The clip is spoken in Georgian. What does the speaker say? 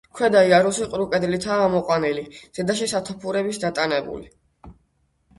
ქვედა იარუსი ყრუ კედლითაა ამოყვანილი, ზედაში სათოფურების დატანებული.